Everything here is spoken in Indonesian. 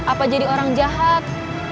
apa jadi orang jahat